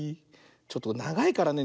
ちょっとながいからね